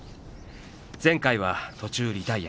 前回は途中リタイア。